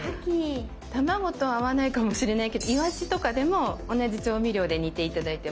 卵と合わないかもしれないけどいわしとかでも同じ調味料で煮て頂いてもいいです。